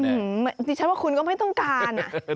อื้อโหสิฉันว่าคุณก็ไม่ต้องการอะ